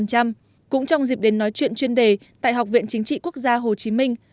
cũng trong dịp đến nói chuyện chuyên đề tại học viện chính trị quốc gia hồ chí minh